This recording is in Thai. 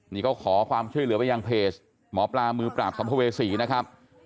นี่ก็ขอความช่วยเหลือไปยังเพจหมอปลามือปราบสัมภเวษีนะครับ